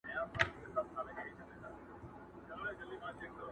ګورستان ته مي ماشوم خپلوان لېږلي!!